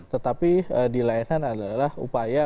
tetapi dilayanan adalah upaya